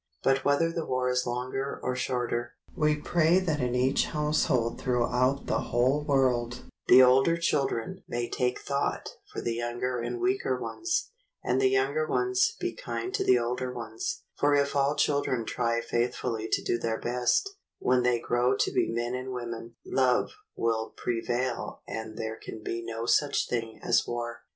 But whether the war is longer or shorter, we pray that in each house hold throughout the whole world, the older children may take thought for the younger and weaker ones, and the younger ones be kind to the older ones; for if all children try faithfully to do their best, when they grow to be men and women, love will prevail and there can be no such thing as War.